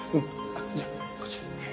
じゃあこちらへ。